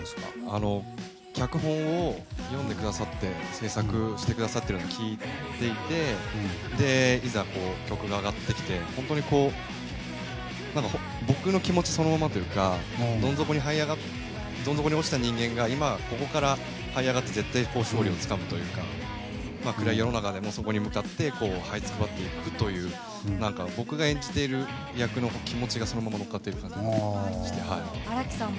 脚本を読んでくださって制作してくださっているのを聞いていていざ、曲が上がってきて本当に僕の気持ちをそのままというかどん底に落ちた人間が今、ここからはい上がって絶対、勝利をつかむというか暗い世の中でも、そこに向かってはいつくばっていくという僕が演じている役の気持ちがそのまま乗っかってる感じがして。